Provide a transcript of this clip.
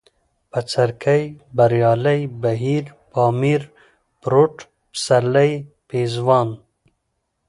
بڅرکى ، بريالی ، بهير ، پامير ، پروټ ، پسرلی ، پېزوان